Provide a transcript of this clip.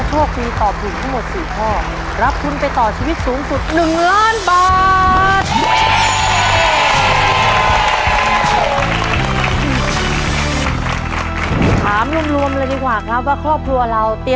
ตอบถูก๒ข้อรับ๑หนึ่งบาท